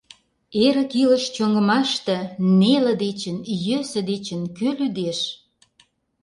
Эрык илыш чоҥымаште Неле дечын, Йӧсӧ дечын кӧ лӱдеш?